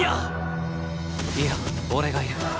いや俺がいる。